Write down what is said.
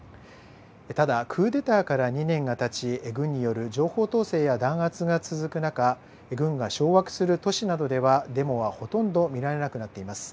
ただ、クーデターから２年がたち軍による情報統制や弾圧が続く中軍が掌握する都市などではデモはほとんど見られなくなっています。